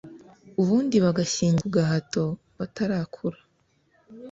ubundi bagashyingirwa ku gahato batarakura